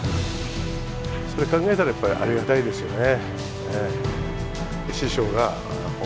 それ考えたら、やっぱりありがたいですよね。